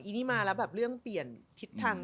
อันนี้มาแล้วแบบเรื่องเปลี่ยนทิศทาง